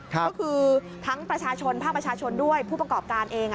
ก็คือทั้งประชาชนภาคประชาชนด้วยผู้ประกอบการเอง